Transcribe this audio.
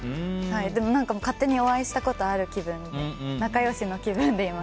でも、勝手にお会いしたことある仲良しの気分でいます。